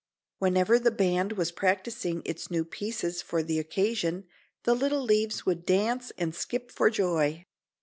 Whenever the band was practicing its new pieces for the occasion the little leaves would dance and skip for joy.